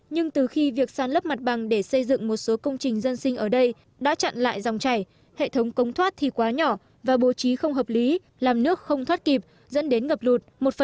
nhưng từ khi việc sàn lấp mặt bằng để xây dựng một số công trình dân sinh ở đây đã chặn lại dòng chảy hệ thống cống thoát thì quá nhỏ và bố trí không hợp lý làm nước không thoát kịp dẫn đến ngập lụt